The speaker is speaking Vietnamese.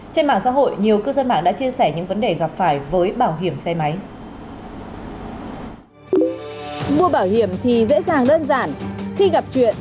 trên mạng xã hội nhiều cư dân mạng đã chia sẻ những vấn đề gặp phải với bảo hiểm xe máy